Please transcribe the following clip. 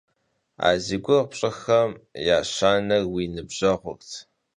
A zi guğu pş'ıxem yêşaner vui nıbjeğurt.